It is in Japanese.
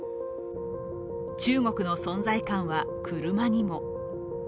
中国の存在感は車にも。